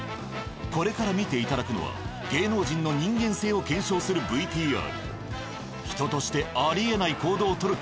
これから見ていただくのは芸能人の人間性を検証するＶＴＲ。